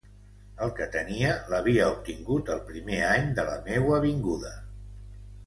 El que tenia l’havia obtingut el primer any de la meua vinguda.